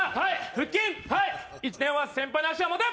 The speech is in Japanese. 腹筋１年は先輩の足を持て